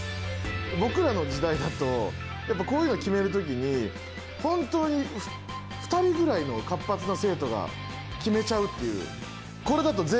僕らの時代だとやっぱこういうの決める時に本当に２人ぐらいの活発な生徒が決めちゃうっていう。